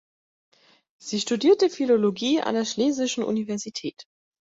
Sie studierte Philologie an der Schlesischen Universität.